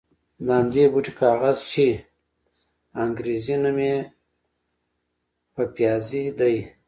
د همدې بوټي کاغذ چې انګرېزي نوم یې پپیازي دی.